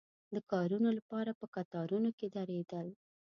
د کارونو لپاره په کتارونو کې درېدل.